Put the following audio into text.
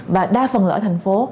và đa phần ở thành phố